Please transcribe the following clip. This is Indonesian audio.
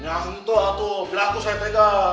nyantur atuh bilang aku saya tega